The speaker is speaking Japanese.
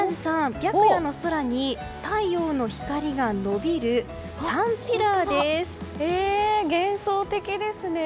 白夜の空に太陽の光が延びるサンピラーです。